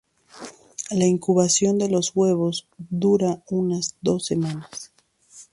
La incubación de los huevos dura unas dos semanas.